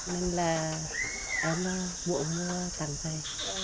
nên là em muộn mua thằng thầy